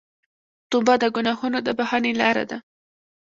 توبه د ګناهونو د بخښنې لاره ده.